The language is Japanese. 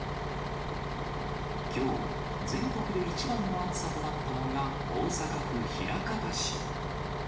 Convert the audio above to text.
きょう、全国で一番の暑さとなったのが大阪府枚方市。